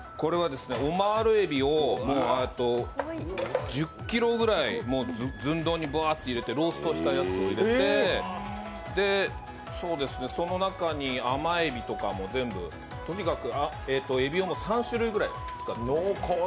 オマールえびを１０ｋｇぐらいずんどうに入れてローストしたやつを入れてその中に甘えびとかも全部全部、とにかくえびを３種類ぐらい。